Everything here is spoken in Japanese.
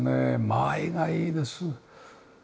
間合いがいいです。